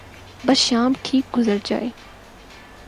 بس شام ٹھیک گزر جائے۔